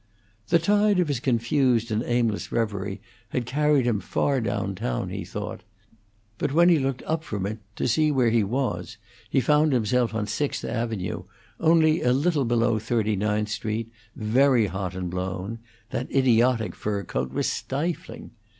The tide of his confused and aimless reverie had carried him far down town, he thought; but when he looked up from it to see where he was he found himself on Sixth Avenue, only a little below Thirty ninth Street, very hot and blown; that idiotic fur overcoat was stifling.